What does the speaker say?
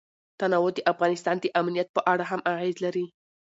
تنوع د افغانستان د امنیت په اړه هم اغېز لري.